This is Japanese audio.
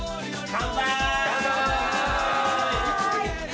乾杯！